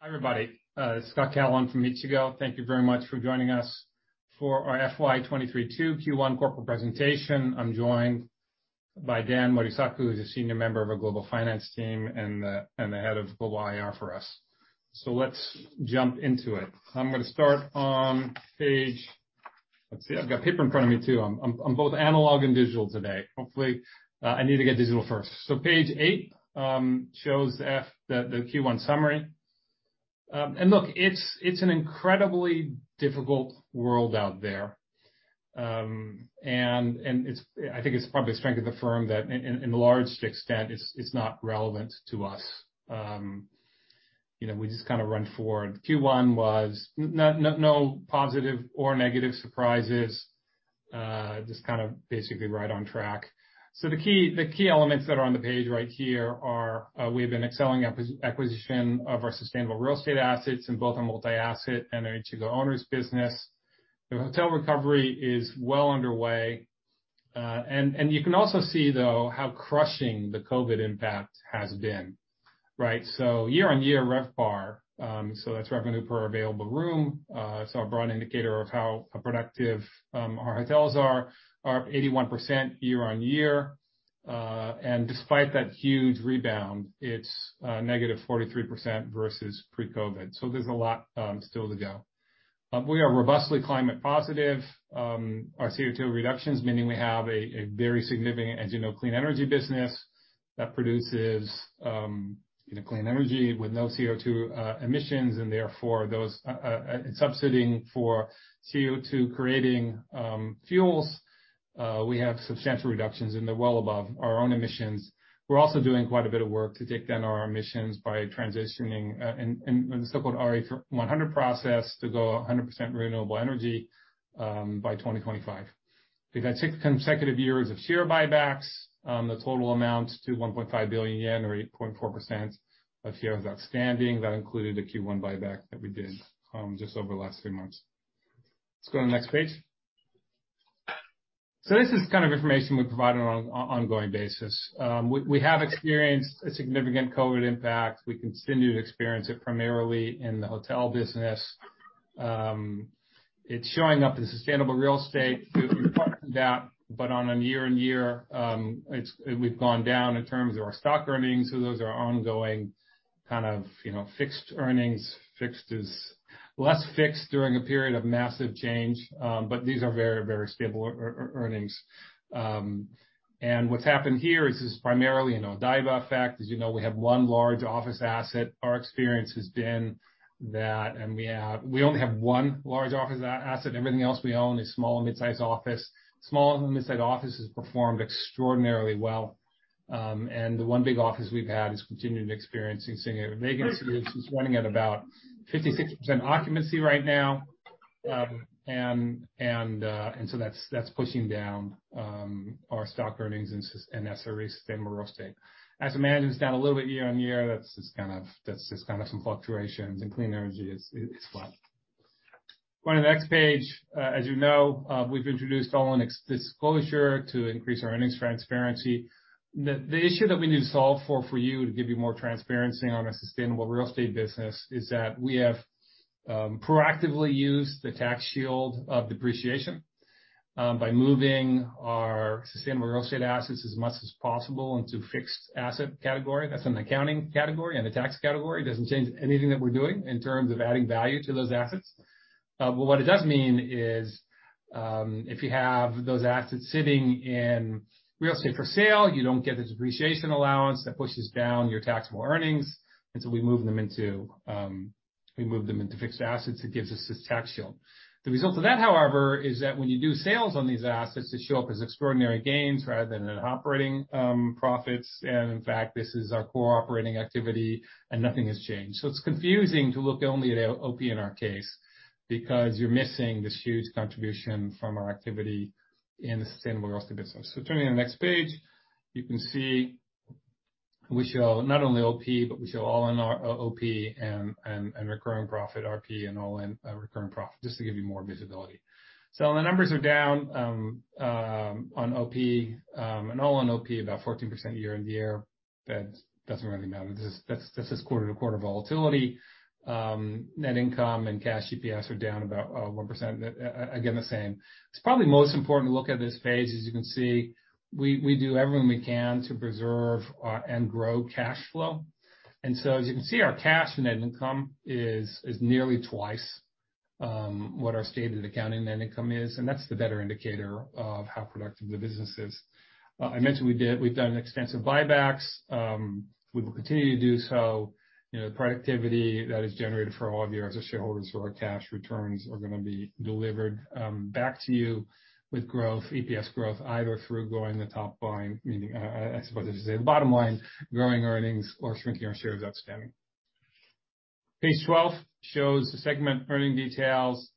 Hi, everybody. It's Scott Callon from Ichigo. Thank you very much for joining us for our FY 2023-2 Q1 corporate presentation. I'm joined by Dan Morisaku, who's a senior member of our global finance team and the head of global IR for us. Let's jump into it. I'm gonna start on page. Let's see. I've got paper in front of me too. I'm both analog and digital today. Hopefully, I need to get digital first. Page eight shows the Q1 summary. Look, it's an incredibly difficult world out there. It's, I think it's probably a strength of the firm that in the large extent it's not relevant to us. You know, we just kinda run forward. Q1 was no positive or negative surprises, just kind of basically right on track. The key elements that are on the page right here are, we have been excelling at acquisition of our sustainable real estate assets in both our multi-asset and our Ichigo Owners business. The hotel recovery is well underway. You can also see though how crushing the COVID impact has been, right? Year-on-year RevPAR, so that's revenue per available room, so a broad indicator of how productive our hotels are 81% year-on-year. Despite that huge rebound, it's negative 43% versus pre-COVID. There's a lot still to go. We are robustly climate positive. Our CO2 reductions, meaning we have a very significant, as you know, clean energy business that produces, you know, clean energy with no CO2 emissions, and therefore those and substituting for CO2-creating fuels, we have substantial reductions, and they're well above our own emissions. We're also doing quite a bit of work to take down our emissions by transitioning in the so-called RE100 process to go 100% renewable energy by 2025. We've had six consecutive years of share buybacks. The total amount to 1.5 billion yen or 8.4% of shares outstanding. That included a Q1 buyback that we did just over the last three months. Let's go to the next page. This is kind of information we provide on an ongoing basis. We have experienced a significant COVID impact. We continue to experience it primarily in the hotel business. It's showing up in Sustainable Real Estate. We've gotten that, but on a year-on-year, we've gone down in terms of our stock earnings. So those are ongoing, kind of, you know, fixed earnings. Fixed is less fixed during a period of massive change, but these are very, very stable earnings. What's happened here is this primarily an Odaiba effect. As you know, we have one large office asset. Our experience has been that we only have one large office asset. Everything else we own is small and midsize office. Small and midsize office has performed extraordinarily well. The one big office we've had is continuing experiencing significant vacancy. It's running at about 56% occupancy right now. That's pushing down our stock earnings and Sustainable Real Estate. Asset management is down a little bit year-on-year. That's just kind of some fluctuations, and Clean Energy is flat. Go to the next page. As you know, we've introduced all-in expense disclosure to increase our earnings transparency. The issue that we need to solve for you to give you more transparency on our Sustainable Real Estate business is that we have proactively used the tax shield of depreciation by moving our Sustainable Real Estate assets as much as possible into fixed asset category. That's an accounting category and a tax category. Doesn't change anything that we're doing in terms of adding value to those assets. What it does mean is, if you have those assets sitting in real estate for sale, you don't get the depreciation allowance that pushes down your taxable earnings. We move them into fixed assets. It gives us this tax shield. The result of that, however, is that when you do sales on these assets, they show up as extraordinary gains rather than in operating profits. In fact, this is our core operating activity, and nothing has changed. It's confusing to look only at OP in our case because you're missing this huge contribution from our activity in the Sustainable Real Estate business. Turning to the next page, you can see we show not only OP, but we show all-in OP and recurring profit, RP, and all-in recurring profit, just to give you more visibility. The numbers are down on OP and all-in OP about 14% year-on-year. That doesn't really matter. That's just this quarter-to-quarter volatility. Net income and cash EPS are down about 1%. Again, the same. It's probably most important to look at this page. As you can see, we do everything we can to preserve our and growth cash flow. As you can see, our cash and net income is nearly twice what our stated accounting net income is, and that's the better indicator of how productive the business is. I mentioned we've done extensive buybacks. We will continue to do so. You know, the productivity that is generated for all of you as the shareholders for our cash returns are gonna be delivered back to you with growth, EPS growth, either through growing the top line, meaning, I suppose I should say the bottom line, growing earnings or shrinking our shares outstanding. Page 12 shows the segment earnings details.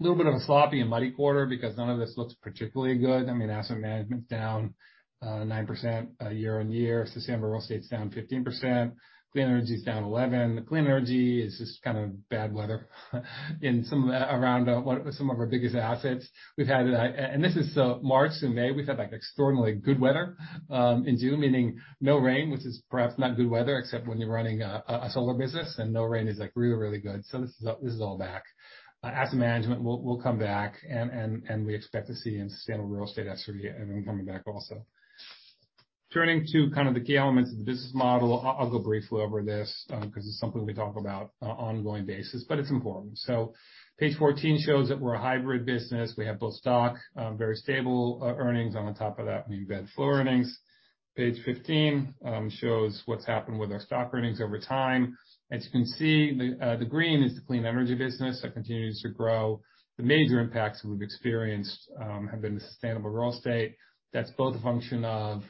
A little bit of a sloppy and muddy quarter because none of this looks particularly good. I mean, Asset Management's down 9%, year-on-year. Sustainable Real Estate's down 15%. Clean Energy's down 11%. The Clean Energy is just kind of bad weather in some of our biggest assets. We've had. This is March and May, we've had, like, extraordinarily good weather in June, meaning no rain, which is perhaps not good weather, except when you're running a solar business and no rain is, like, really good. This is all back. Asset management will come back, and we expect to see in Sustainable Real Estate SRU coming back also. Turning to kind of the key elements of the business model. I'll go briefly over this, cause it's something we talk about on an ongoing basis, but it's important. Page 14 shows that we're a hybrid business. We have both stock, very stable, earnings on top of that, we embed floor earnings. Page 15 shows what's happened with our stock earnings over time. As you can see, the green is the Clean Energy business that continues to grow. The major impacts we've experienced have been the Sustainable Real Estate. That's both a function of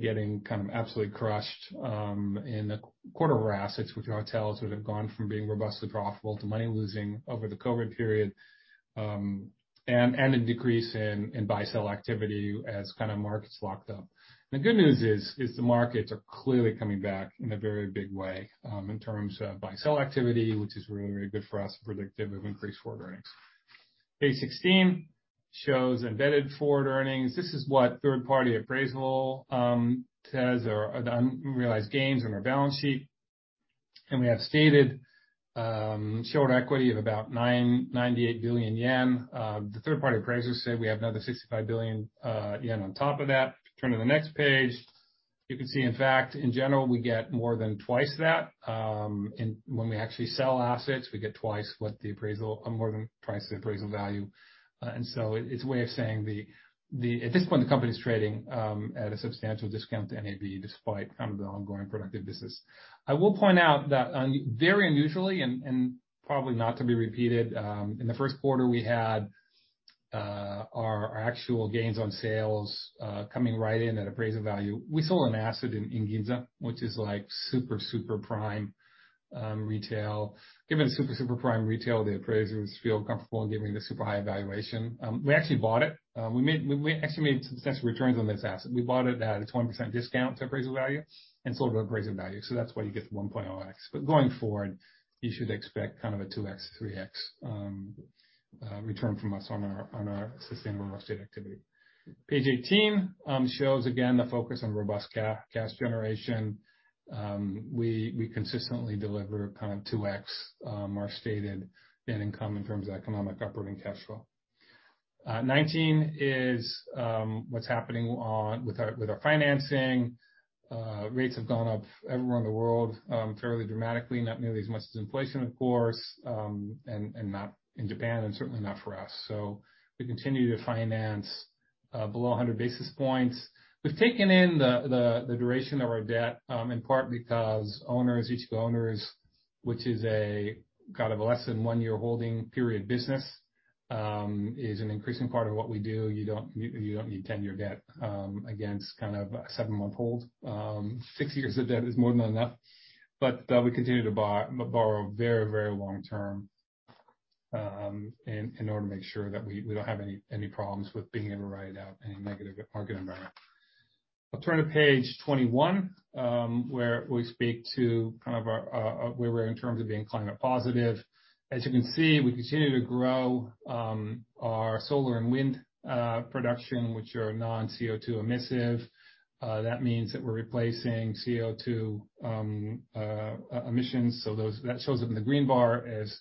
getting kind of absolutely crushed in the quarter of our assets with hotels that have gone from being robustly profitable to money losing over the COVID period, and a decrease in buy-sell activity as kind of markets locked up. The good news is the markets are clearly coming back in a very big way in terms of buy-sell activity, which is really good for us, predictive of increased forward earnings. Page 16 shows embedded forward earnings. This is what third-party appraisal says are the unrealized gains on our balance sheet. We have stated shareholder equity of about 98 billion yen. The third-party appraisers say we have another 65 billion yen on top of that. Turn to the next page. You can see, in fact, in general, we get more than twice that. When we actually sell assets, we get twice what the appraisal or more than twice the appraisal value. It's a way of saying at this point, the company's trading at a substantial discount to NAV, despite kind of the ongoing productive business. I will point out that very unusually and probably not to be repeated, in the first quarter, we had our actual gains on sales coming right in at appraisal value. We sold an asset in Ginza, which is like super prime retail. Given it's super prime retail, the appraisers feel comfortable giving the super high valuation. We actually bought it. We actually made substantial returns on this asset. We bought it at a 20% discount to appraisal value and sold it at appraisal value, so that's why you get the 1x. Going forward, you should expect kind of a 2x, 3x return from us on our Sustainable Real Estate activity. Page 18 shows again the focus on robust cash generation. We consistently deliver kind of 2x our stated net income in terms of economic operating cash flow. 19 is what's happening with our financing. Rates have gone up everywhere in the world fairly dramatically, not nearly as much as inflation, of course, and not in Japan, and certainly not for us. We continue to finance below 100 basis points. We've taken in the duration of our debt, in part because Owners, each of the Owners, which is a kind of a less than one year holding period business, is an increasing part of what we do. You don't need 10-year debt against kind of a seven-month hold. Six years of debt is more than enough. We continue to borrow very, very long term, in order to make sure that we don't have any problems with being able to ride out any negative market environment. I'll turn to page 21, where we speak to kind of our where we're in terms of being climate positive. As you can see, we continue to grow our solar and wind production, which are non-CO2 emissive. That means that we're replacing CO2 emissions. That shows up in the green bar as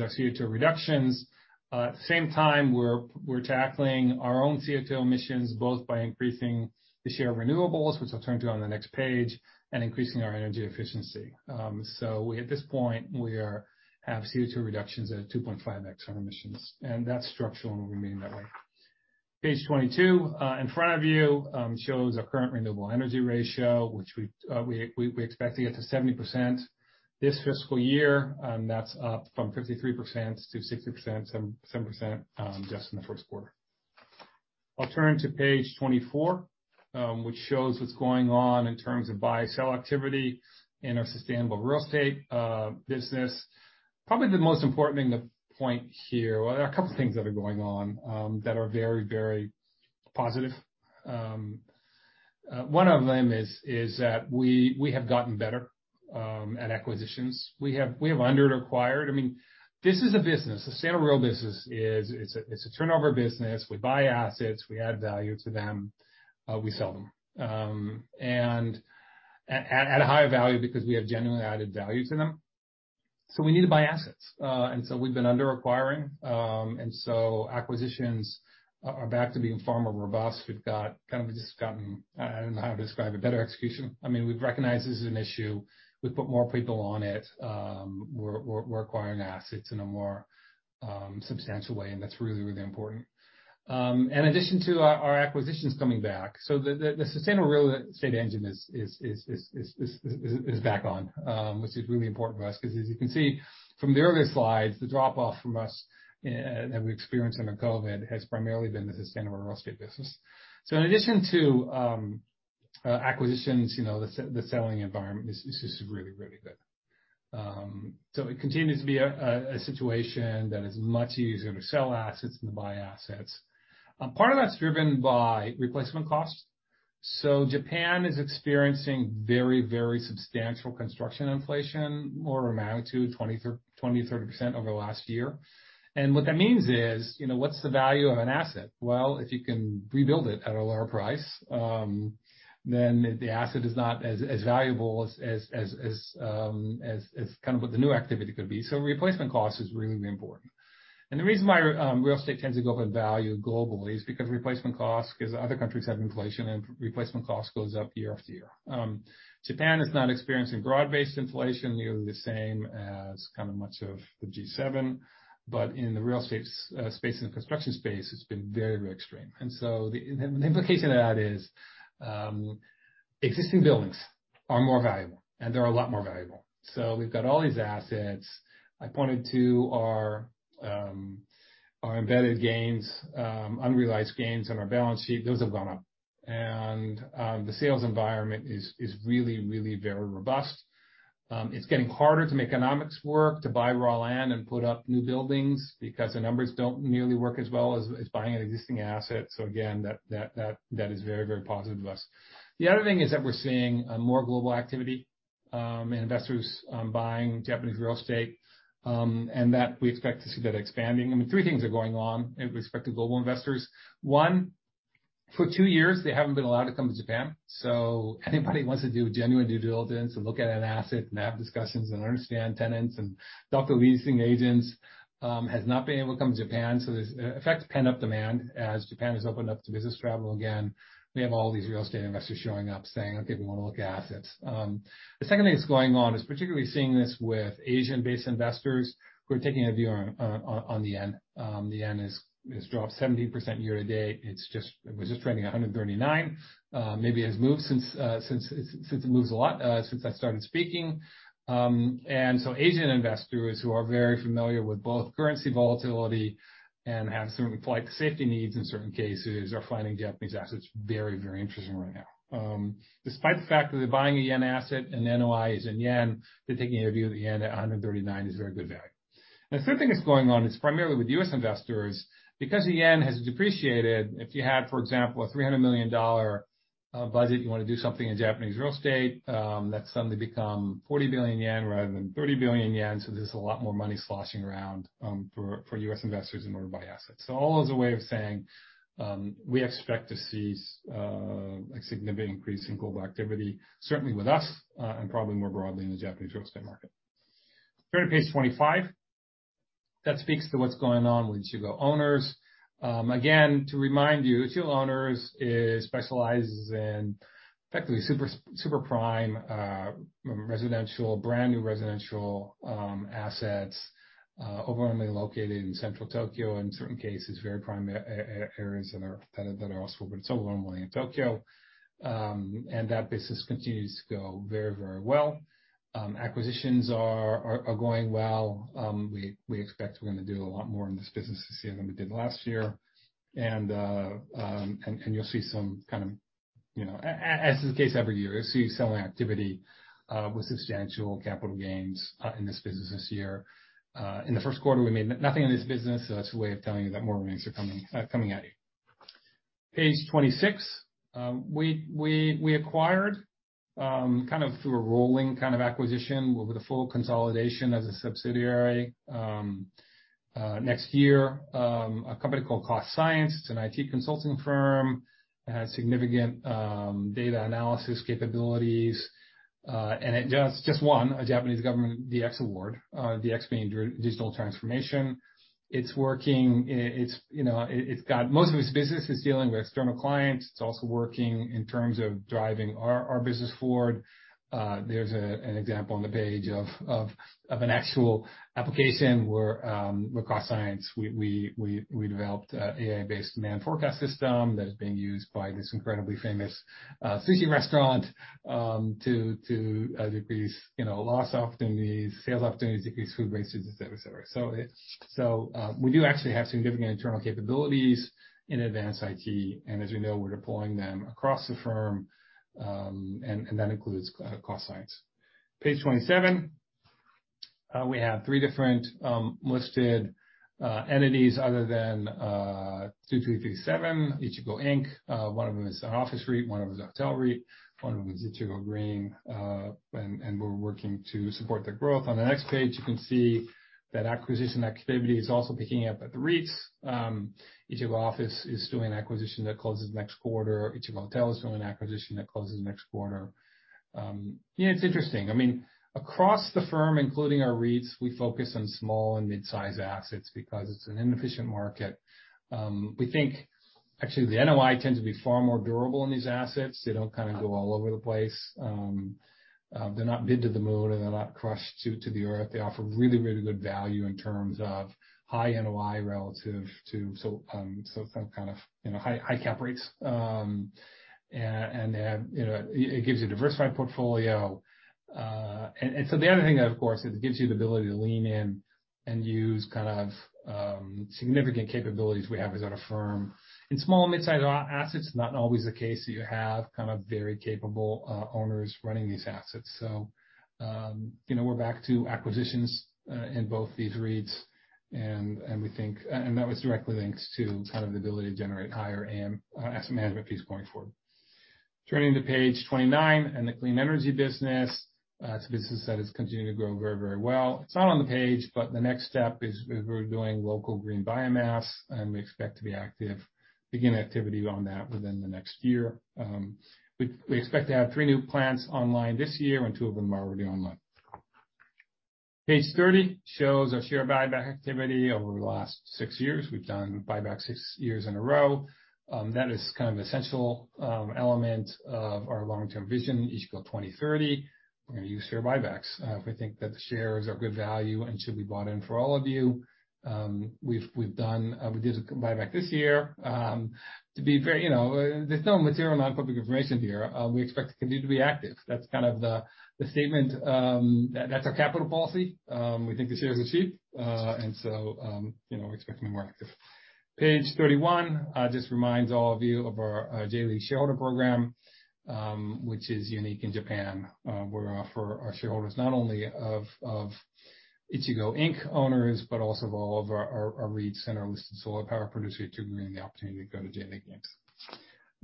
our CO2 reductions. At the same time, we're tackling our own CO2 emissions, both by increasing the share of renewables, which I'll turn to on the next page, and increasing our energy efficiency. So, we at this point have CO2 reductions at 2.5x on emissions, and that's structural and will remain that way. Page 22 in front of you shows our current renewable energy ratio, which we expect to get to 70% this fiscal year, and that's up from 53%-60%, 70%, just in the first quarter. I'll turn to page 24, which shows what's going on in terms of buy/sell activity in our Sustainable Real Estate business. Probably the most important thing, the point here. Well, there are a couple things that are going on that are very, very positive. One of them is that we have gotten better at acquisitions. We have under acquired. I mean, this is a business. The Sustainable Real Estate business is a turnover business. We buy assets. We add value to them. We sell them at a higher value because we have genuinely added value to them. We need to buy assets. We've been under acquiring. Acquisitions are back to being far more robust. We've got kind of just gotten, I don't know how to describe it, better execution. I mean, we've recognized this is an issue. We've put more people on it. We're acquiring assets in a more substantial way, and that's really important. In addition to our acquisitions coming back, the Sustainable Real Estate engine is back on, which is really important for us, cause as you can see from the earlier slides, the drop-off that we experienced under COVID has primarily been the Sustainable Real Estate business. In addition to acquisitions, you know, the selling environment is just really good. It continues to be a situation that is much easier to sell assets than to buy assets. Part of that's driven by replacement costs. Japan is experiencing very, very substantial construction inflation, of magnitude 20%-30% over the last year. What that means is, you know, what's the value of an asset? Well, if you can rebuild it at a lower price, then the asset is not as valuable as kind of what the new activity could be. Replacement cost is really important. The reason why real estate tends to go up in value globally is because replacement costs, because other countries have inflation and replacement cost goes up year after year. Japan is not experiencing broad-based inflation, nearly the same as kind of much of the G7. In the real estate space, in the construction space, it's been very extreme. The implication of that is, existing buildings are more valuable, and they're a lot more valuable. We've got all these assets. I pointed to our embedded gains, unrealized gains on our balance sheet. Those have gone up. The sales environment is really very robust. It's getting harder to make economics work, to buy raw land and put up new buildings because the numbers don't nearly work as well as buying an existing asset. Again, that is very positive to us. The other thing is that we're seeing more global activity, investors buying Japanese real estate, and that we expect to see that expanding. I mean, three things are going on with respect to global investors. One, for two years, they haven't been able to come to Japan, so anybody who wants to do genuine due diligence and look at an asset and have discussions and understand tenants and talk to leasing agents has not been able to come to Japan. So, there's effect pent-up demand as Japan has opened up to business travel again. We have all these real estate investors showing up saying, "Okay, we wanna look at assets." The second thing that's going on is particularly seeing this with Asian-based investors who are taking a view on the yen. The yen has dropped 17% year-to-date. It's just. It was just trading at 139. Maybe it has moved since it moves a lot since I started speaking. Asian investors who are very familiar with both currency volatility and have certain flight to safety needs in certain cases are finding Japanese assets very, very interesting right now. Despite the fact that they're buying a yen asset and NOI is in yen, they're taking a view of the yen at 139 is very good value. The third thing that's going on is primarily with U.S. investors. Because the yen has depreciated, if you had, for example, a $300 million budget, you wanna do something in Japanese real estate, that's suddenly become 40 billion yen rather than 30 billion yen, so there's a lot more money sloshing around for U.S. investors in order to buy assets. All as a way of saying, we expect to see a significant increase in global activity, certainly with us, and probably more broadly in the Japanese real estate market. Turn to page 25. That speaks to what's going on with Ichigo Owners. Again, to remind you, Ichigo Owners specializes in effectively super prime, brand new residential assets, overwhelmingly located in central Tokyo, in certain cases, very prime areas that are also overwhelmingly in Tokyo. And that business continues to go very well. Acquisitions are going well. We expect we're gonna do a lot more in this business this year than we did last year. You'll see some kind of, you know, as is the case every year, you'll see selling activity with substantial capital gains in this business this year. In the first quarter, we made nothing in this business, so that's a way of telling you that more earnings are coming at you. Page 26. We acquired kind of through a rolling kind of acquisition with a full consolidation as a subsidiary next year a company called Cost Science. It's an IT consulting firm. It has significant data analysis capabilities. And it just won a Japanese government DX award, DX being digital transformation. It's working. You know, it's got most of its business is dealing with external clients. It's also working in terms of driving our business forward. There's an example on the page of an actual application where, with Cost Science, we developed an AI-based demand forecast system that is being used by this incredibly famous sushi restaurant to decrease, you know, loss opportunities, sales opportunities, decrease food waste, etcetera. We do actually have significant internal capabilities in advanced IT, and as you know, we're deploying them across the firm, and that includes Cost Science. Page 27. We have three different listed entities other than 2337 Ichigo Inc. One of them is an office REIT, one of them is a hotel REIT, one of them is Ichigo Green, and we're working to support their growth. On the next page, you can see that acquisition activity is also picking up at the REITs. Ichigo Office is doing an acquisition that closes next quarter. Ichigo Hotel is doing an acquisition that closes next quarter. You know, it's interesting. I mean, across the firm, including our REITs, we focus on small and mid-size assets because it's an inefficient market. We think actually the NOI tends to be far more durable in these assets. They don't kind of go all over the place. They're not bid to the moon, and they're not crushed to the earth. They offer really, really good value in terms of high NOI relative to so kind of you know, high, high cap rates. And, you know, it gives you a diversified portfolio. The other thing, of course, it gives you the ability to lean in and use kind of significant capabilities we have as a firm. In small and mid-size assets, it's not always the case that you have kind of very capable owners running these assets. You know, we're back to acquisitions in both these REITs and we think and that was directly linked to kind of the ability to generate higher AM asset management fees going forward. Turning to page 29 and the Clean Energy business. It's a business that has continued to grow very, very well. It's not on the page, but the next step is we're doing local green biomass, and we expect to begin activity on that within the next year. We expect to have three new plants online this year, and two of them are already online. Page 30 shows our share buyback activity over the last six years. We've done buyback six years in a row. That is kind of an essential element of our long-term vision, Ichigo 2030. We're gonna use share buybacks if we think that the shares are good value and should be bought in for all of you. We did a buyback this year. You know, there's no material non-public information here. We expect to continue to be active. That's kind of the statement; that's our capital policy. We think the shares are cheap. You know, we expect to be more active. Page 31 just reminds all of you of our daily shareholder program, which is unique in Japan, where for our shareholders not only of Ichigo Inc. Owners, but also of all of our REITs, center-listed solar power producers, giving the opportunity to go to [J.League].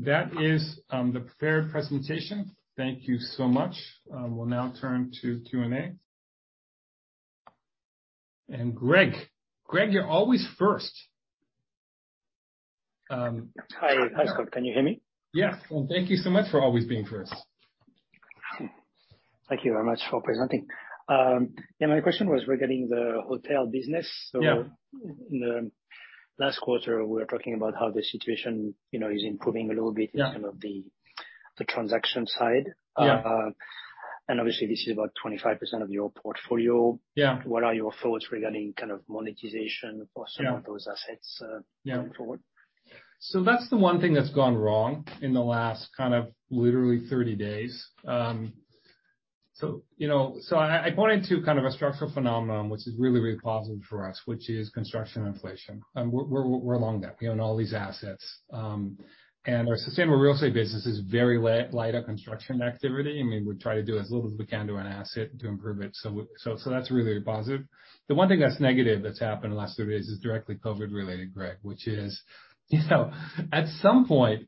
That is the prepared presentation. Thank you so much. We'll now turn to Q&A. Greg, you're always first. Hi. Hi, Scott. Can you hear me? Yes. Thank you so much for always being first. Thank you very much for presenting. Yeah, my question was regarding the hotel business. Yeah. In the last quarter, we were talking about how the situation, you know, is improving a little bit. Yeah. in some of the transaction side. Yeah. Obviously, this is about 25% of your portfolio. Yeah. What are your thoughts regarding kind of monetization? Yeah. For some of those assets. Yeah. Going forward? That's the one thing that's gone wrong in the last kind of literally 30 days. I bought into kind of a structural phenomenon which is really, really positive for us, which is construction inflation. We're along that in all these assets. Our Sustainable Real Estate business is very light on construction activity. I mean, we try to do as little as we can to an asset to improve it. That's really positive. The one thing that's negative that's happened in the last 30 days is directly COVID related, Greg, which is at some point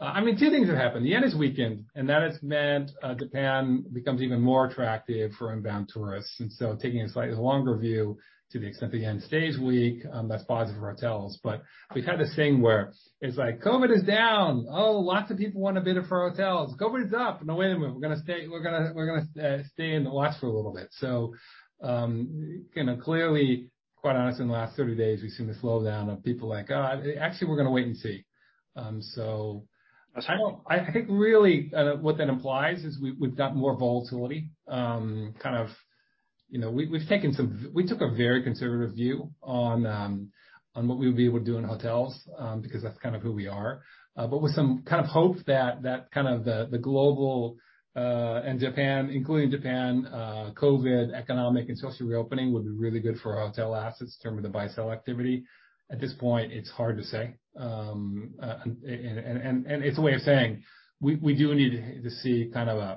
I mean two things have happened. The yen has weakened, and that has meant Japan becomes even more attractive for inbound tourists. Taking a slightly longer view to the extent the yen stays weak, that's positive for hotels. We've had this thing where it's like COVID is down. Oh, lots of people wanna bid up for our hotels. COVID is up. No, wait a minute. We're gonna wait and watch for a little bit. You know, clearly, quite honestly, in the last 30 days, we've seen the slowdown of people like, "actually, we're gonna wait and see." I think really, what that implies is we've got more volatility, kind of. You know, we took a very conservative view on what we would be able to do in hotels, because that's kind of who we are. With some kind of hope that kind of the global and Japan, including Japan, COVID economic and social reopening would be really good for our hotel assets in terms of the buy/sell activity. At this point, it's hard to say. It's a way of saying we do need to see kind of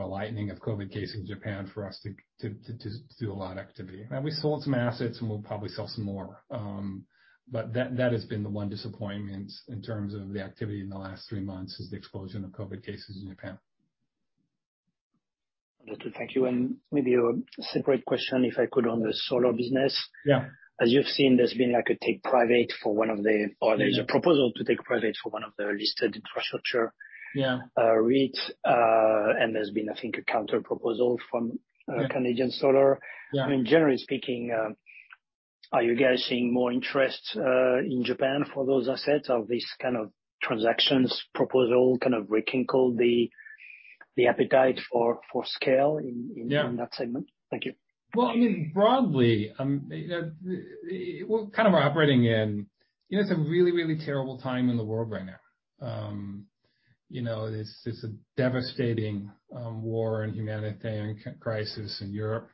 a lightening of COVID cases in Japan for us to do a lot of activity. I mean, we sold some assets and we'll probably sell some more. That has been the one disappointment in terms of the activity in the last three months is the explosion of COVID cases in Japan. Understood. Thank you. Maybe a separate question, if I could, on the solar business. Yeah. As you've seen, there's been like a take private for one of the. Yeah. There's a proposal to take private for one of the listed infrastructure Yeah. REIT. There's been, I think, a counter proposal from, Yeah. Canadian Solar. Yeah. I mean, generally speaking, are you guys seeing more interest in Japan for those assets? Are these kinds of transaction proposals kind of rekindle the appetite for scale in. Yeah. In that segment? Thank you. Well, I mean, broadly, we're kind of operating in, you know, it's a really terrible time in the world right now. You know, it's a devastating war and humanitarian crisis in Europe.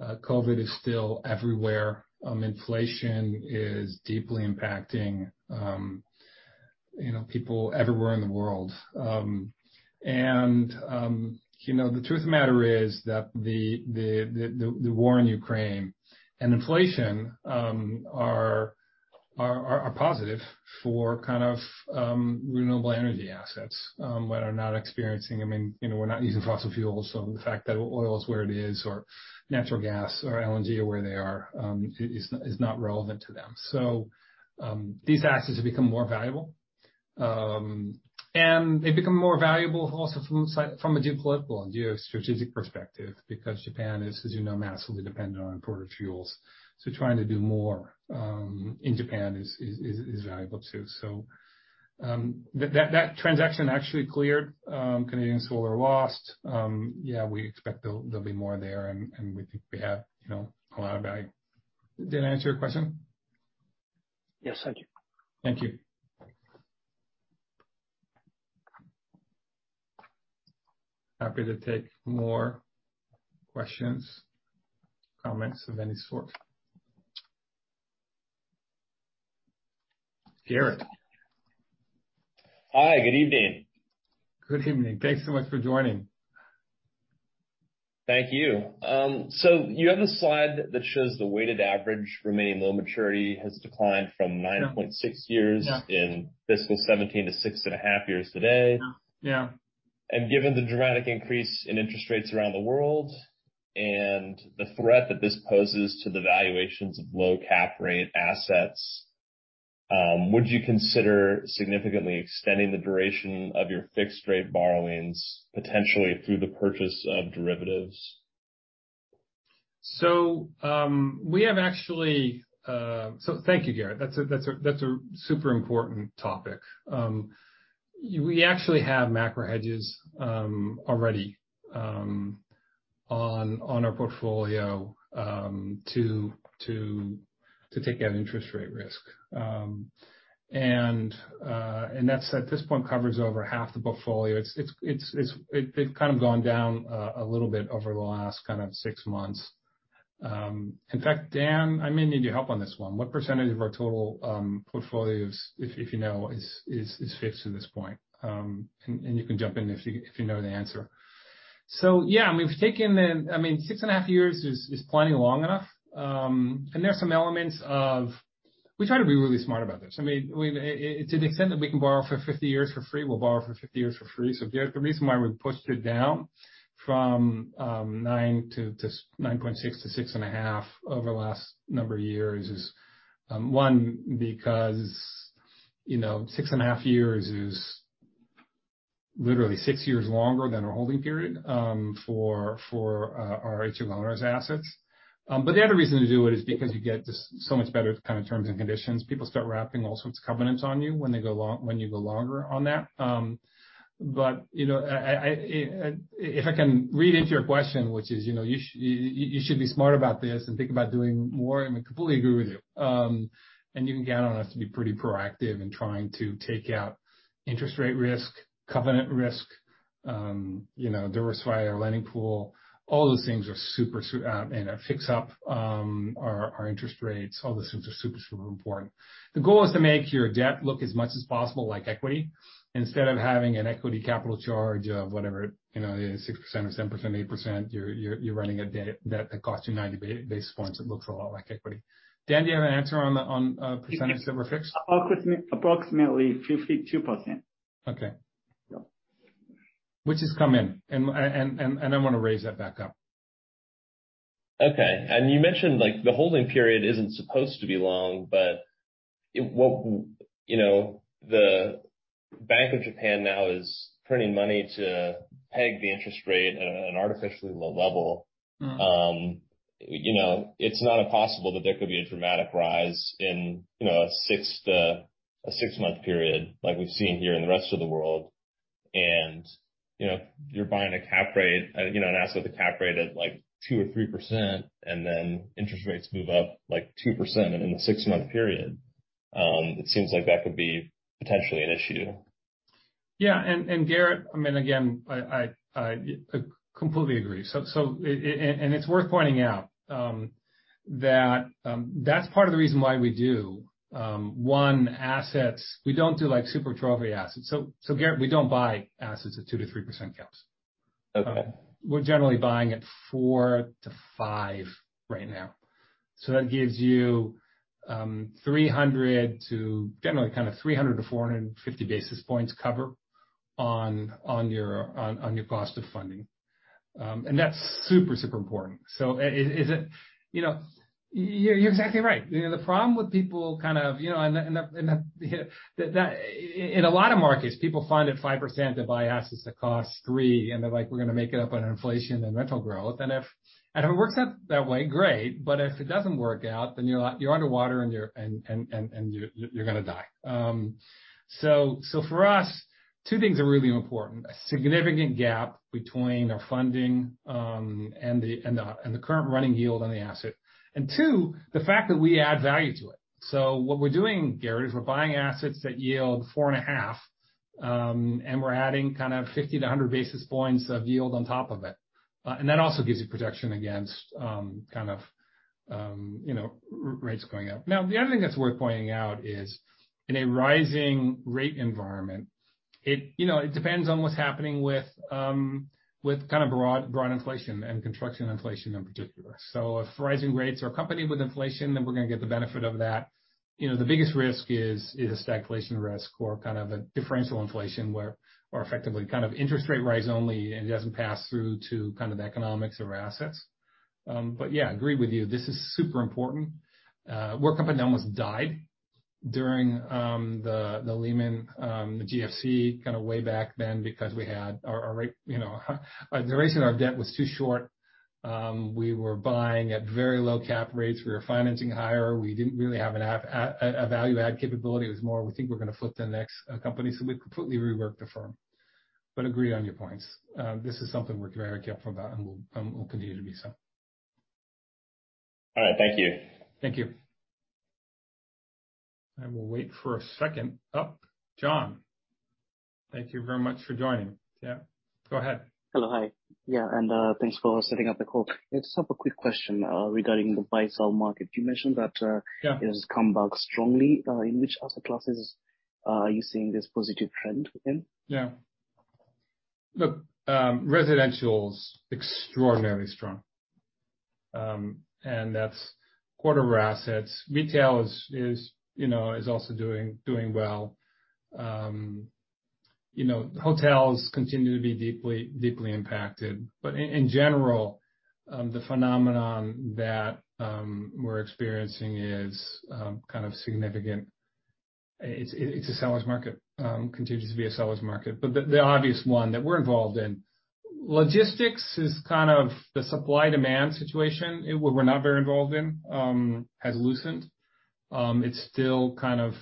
COVID is still everywhere. Inflation is deeply impacting, you know, people everywhere in the world. You know, the truth of the matter is that the war in Ukraine and inflation are positive for kind of renewable energy assets that are not experiencing. I mean, you know, we're not using fossil fuels, so the fact that oil is where it is, or natural gas or LNG are where they are is not relevant to them. These assets have become more valuable. They become more valuable from a geopolitical and geo-strategic perspective, because Japan is, as you know, massively dependent on imported fuels. Trying to do more in Japan is valuable too. That transaction actually cleared. Canadian Solar lost. Yeah, we expect there'll be more there and we think we have, you know, a lot of value. Did that answer your question? Yes. Thank you. Thank you. Happy to take more questions, comments of any sort. Garrett. Hi. Good evening. Good evening. Thanks so much for joining. Thank you. You have a slide that shows the weighted average remaining loan maturity has declined from 9.6 years. Yeah. in fiscal 2017 to six and a half years today. Yeah. Yeah. Given the dramatic increase in interest rates around the world and the threat that this poses to the valuations of low cap rate assets, would you consider significantly extending the duration of your fixed rate borrowings, potentially through the purchase of derivatives? Thank you, Garrett. That's a super important topic. We actually have macro hedges already on our portfolio to take out interest rate risk. That at this point covers over half the portfolio. It's kind of gone down a little bit over the last six months. In fact, Dan, I may need your help on this one. What percentage of our total portfolio is fixed at this point, if you know? You can jump in if you know the answer. I mean, six and a half years is plenty long enough. We try to be really smart about this. I mean, to the extent that we can borrow for 50 years for free, we'll borrow for 50 years for free. The reason why we pushed it down from 9.6-six and a half over the last number of years is one, because, you know, six and a half years is literally six years longer than our holding period for our HLRS assets. The other reason to do it is because you get just so much better kind of terms and conditions. People start wrapping all sorts of covenants on you when you go longer on that. If I can read into your question, which is, you know, you should be smart about this and think about doing more, and we completely agree with you. You can count on us to be pretty proactive in trying to take out interest rate risk, covenant risk, you know, diversify our lending pool, and fix up our interest rates. All those things are super important. The goal is to make your debt look as much as possible like equity. Instead of having an equity capital charge of whatever, you know, 6% or 10%, 8%, you're running a debt that costs you 90 basis points. It looks a lot like equity. Dan, do you have an answer on percentage that were fixed? Approximately 52%. Okay. Yeah. Which has come in, and I wanna raise that back up. Okay. You mentioned, like, the holding period isn't supposed to be long, but, you know, the Bank of Japan now is printing money to peg the interest rate at an artificially low level. Mm-hmm. You know, it's not impossible that there could be a dramatic rise in, you know, a six-month period like we've seen here in the rest of the world. You know, you're buying a cap rate, you know, an asset with a cap rate at, like, 2% or 3%, and then interest rates move up, like, 2% in a six-month period. It seems like that could be potentially an issue. Yeah. Garrett, I mean, again, I completely agree. And it's worth pointing out that that's part of the reason why we do one-off assets. We don't do, like, super trophy assets. Garrett, we don't buy assets at 2%-3% cap rates. Okay. We're generally buying at 4%-5% right now. That gives you 300 to generally kind of 300-450 basis points cover on your cost of funding. That's super important. You know, you're exactly right. You know, the problem with people kind of, you know, in the markets, people find at 5% they buy assets that cost 3%, and they're like, "We're gonna make it up on inflation and rental growth." If it works out that way, great, but if it doesn't work out, then you're underwater, and you're gonna die. For us, two things are really important. A significant gap between our funding and the current running yield on the asset. Two, the fact that we add value to it. What we're doing, Garrett, is we're buying assets that yield 4.5 and we're adding kind of 50-100 basis points of yield on top of it. And that also gives you protection against kind of you know rates going up. Now, the other thing that's worth pointing out is in a rising rate environment, it you know it depends on what's happening with kind of broad inflation and construction inflation in particular. If rising rates are accompanied with inflation, then we're gonna get the benefit of that. You know, the biggest risk is a stagflation risk or kind of a differential inflation where we're effectively kind of interest rate rise only, and it doesn't pass through to kind of economics of our assets. Yeah, agree with you. This is super important. Our company almost died during the Lehman Brothers, the GFC kind of way back then because we had our rate, you know, the duration of our debt was too short. We were buying at very low cap rates. We were financing higher. We didn't really have a value add capability. It was more we think we're gonna flip the next company, so we completely reworked the firm. Agree on your points. This is something we're very careful about, and we'll continue to be so. All right. Thank you. Thank you. I will wait for a second. Oh, John, thank you very much for joining. Yeah, go ahead. Hello. Hi. Yeah, thanks for setting up the call. I just have a quick question regarding the buy/sell market. You mentioned that, Yeah. It has come back strongly. In which other classes are you seeing this positive trend within? Yeah. Look, residential's extraordinarily strong. That's core assets. Retail is, you know, also doing well. You know, hotels continue to be deeply impacted. But in general, the phenomenon that we're experiencing is kind of significant. It's a seller's market. Continues to be a seller's market. But the obvious one that we're involved in, logistics is kind of the supply-demand situation, and what we're not very involved in has loosened. It's still kind of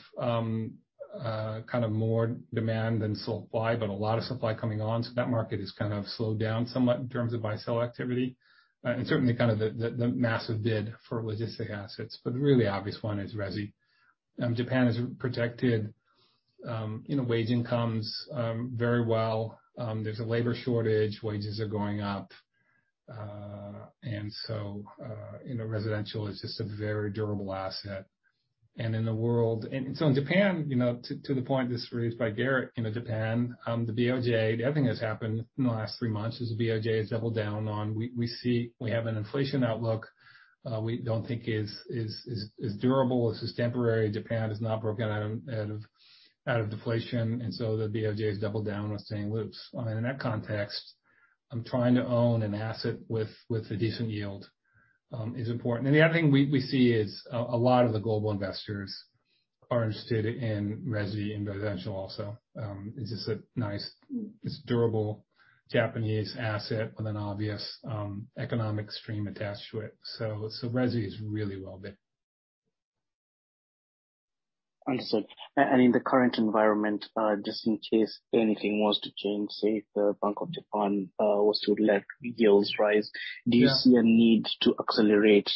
more demand than supply, but a lot of supply coming on. That market has kind of slowed down somewhat in terms of buy-sell activity, and certainly the massive bid for logistics assets. But the really obvious one is resi. Japan has protected, you know, wage incomes very well. There's a labor shortage, wages are going up. You know, residential is just a very durable asset. In Japan, you know, to the point just raised by Garrett, you know, Japan, the BOJ, the other thing that's happened in the last three months is the BOJ has doubled down on we see we have an inflation outlook we don't think is durable. This is temporary. Japan has not broken out of deflation, the BOJ has doubled down on staying loose. In that context, I'm trying to own an asset with a decent yield is important. The other thing we see is a lot of the global investors are interested in resi and residential also. It's just a nice, durable Japanese asset with an obvious economic stream attached to it. So, resi is really well bid. Understood. In the current environment, just in case anything was to change, say if the Bank of Japan was to let yields rise. Yeah. Do you see a need to accelerate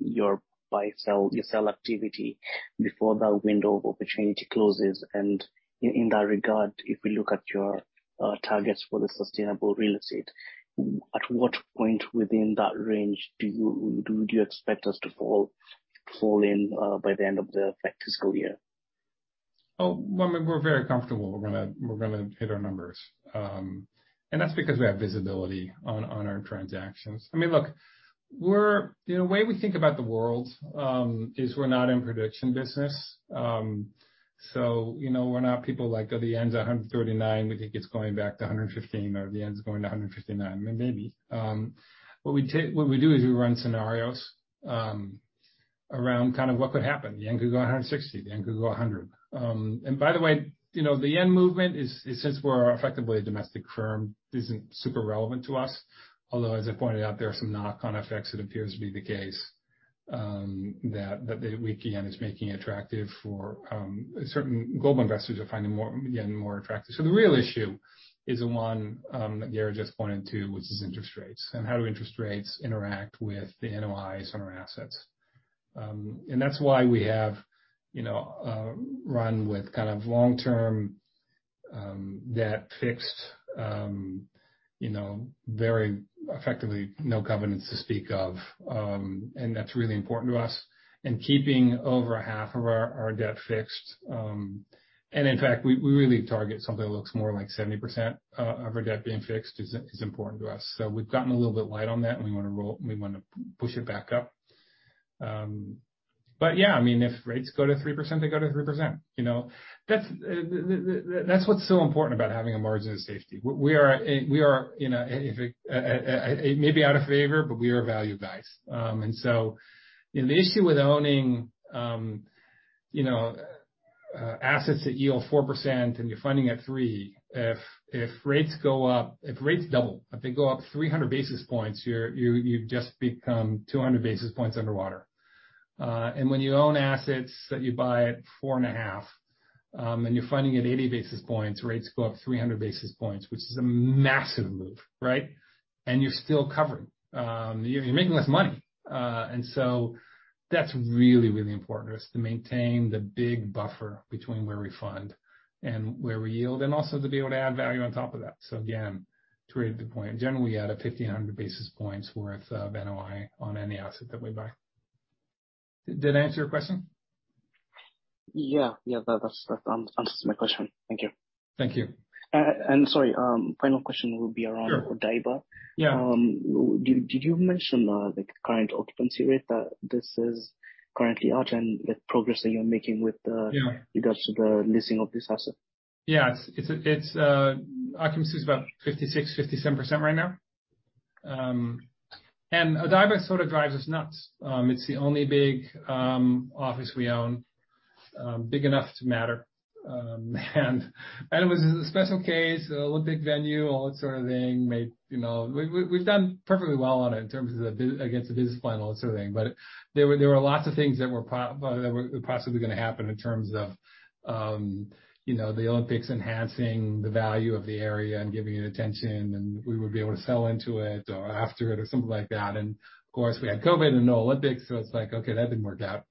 your buy-sell activity before that window of opportunity closes? In that regard, if we look at your targets for the Sustainable Real Estate, at what point within that range do you expect us to fall in by the end of the fiscal year? I mean, we're very comfortable we're gonna hit our numbers. That's because we have visibility on our transactions. I mean, look, you know, the way we think about the world is we're not in the prediction business. You know, we're not people like, the yen's at 139, we think it's going back to 115, or the yen's going to 159. I mean, maybe. What we do is we run scenarios around kind of what could happen. The yen could go 160, the yen could go 100. By the way, you know, the yen movement is since we're effectively a domestic firm, isn't super relevant to us. Although, as I pointed out, there are some knock-on effects, it appears to be the case that the weak yen is making it attractive for certain global investors, finding the yen more attractive. The real issue is the one that Garrett just pointed to, which is interest rates, and how interest rates interact with the NOIs on our assets. That's why we have you know run with kind of long-term debt fixed you know very effectively no covenants to speak of. That's really important to us. Keeping over half of our debt fixed and in fact we really target something that looks more like 70% of our debt being fixed is important to us. We've gotten a little bit light on that, and we wanna push it back up. Yeah, I mean, if rates go to 3%, they go to 3%. You know, that's what's so important about having a margin of safety. We are, you know, it may be out of favor, but we are value guys. You know, the issue with owning assets that yield 4% and you're funding at 3%, if rates go up, if rates double, if they go up 300 basis points, you've just become 200 basis points underwater. When you own assets that you buy at 4.5, and you're funding at 80 basis points, rates go up 300 basis points, which is a massive move, right? You're still covered. You're making less money. That's really, really important to us to maintain the big buffer between where we fund and where we yield, and also to be able to add value on top of that. Again, to Garrett's good point, generally, we add 1,500 basis points worth of NOI on any asset that we buy. Did that answer your question? Yeah, that answers my question. Thank you. Thank you. Sorry, final question will be around. Sure. Odaiba. Yeah. Did you mention the current occupancy rate that this is currently at and the progress that you're making with the? Yeah. With regards to the leasing of this asset? Yeah. It's occupancy is about 56%-57% right now. Odaiba sort of drives us nuts. It's the only big office we own, big enough to matter. It was a special case, an Olympic venue, all that sort of thing. You know, we've done perfectly well on it in terms of against the business plan, all that sort of thing. There were lots of things that were possibly gonna happen in terms of, you know, the Olympics enhancing the value of the area and giving it attention, and we would be able to sell into it or after it or something like that. Of course, we had COVID and no Olympics, so it's like, okay, that didn't work out.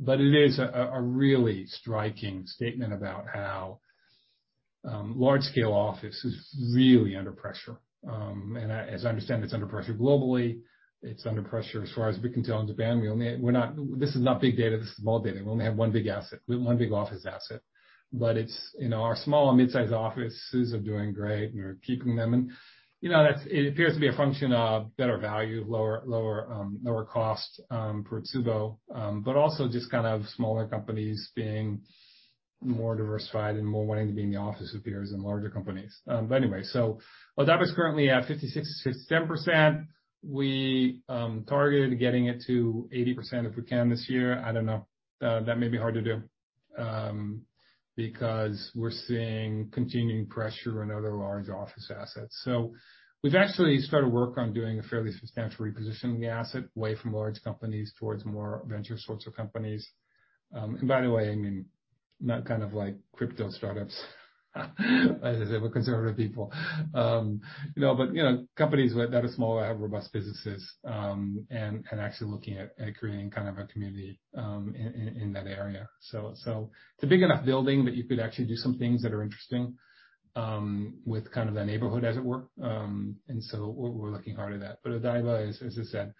It is a really striking statement about how large-scale office is really under pressure. As I understand, it's under pressure globally. It's under pressure as far as we can tell in Japan. We only have one big asset. This is not big data. This is small data. We only have one big asset. We have one big office asset. Our small and mid-sized offices are doing great, and we're keeping them. You know, it appears to be a function of better value, lower cost per tsubo. Odaiba is currently at 56%-57%. We targeted getting it to 80% if we can this year. I don't know. That may be hard to do because we're seeing continuing pressure on other large office assets. We've actually started work on doing a fairly substantial repositioning of the asset away from large companies towards more venture sorts of companies. By the way, I mean, not kind of like crypto startups as they were conservative people. You know, but you know, companies that are small and have robust businesses, and actually looking at creating kind of a community in that area. It's a big enough building that you could actually do some things that are interesting with kind of the neighborhood as it were. We're looking hard at that. Odaiba is, as I said,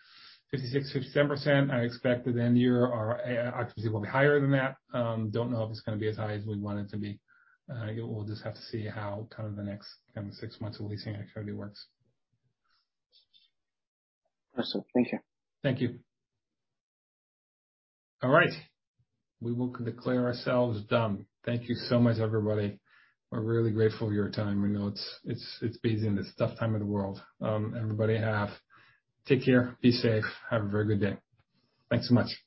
56%-57%. I expect by the end of year our occupancy will be higher than that. Don't know if it's gonna be as high as we want it to be. We'll just have to see how kind of the next kind of six months of leasing activity works. Awesome. Thank you. Thank you. All right. We will declare ourselves done. Thank you so much, everybody. We're really grateful for your time. I know it's busy and it's a tough time in the world. Everybody, take care, be safe. Have a very good day. Thanks so much.